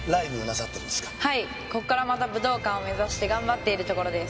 ここからまた武道館を目指して頑張っているところです。